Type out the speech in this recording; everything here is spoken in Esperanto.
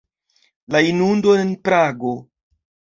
La inundo en Prago.